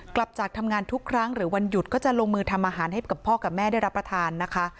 กลับจากทำงานทุกครั้งหรือวันหยุดก็จะลงมือทำอาหารให้กับพ่อกับแม่ได้รับประทานนะคะ